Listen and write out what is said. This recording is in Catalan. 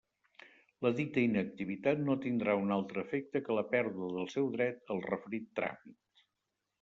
La dita inactivitat no tindrà un altre efecte que la pèrdua del seu dret al referit tràmit.